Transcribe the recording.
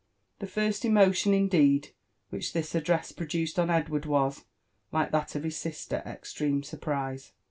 The first emotion, indeed, which this address produced on Edward was, like that of his sister, extreme surprise.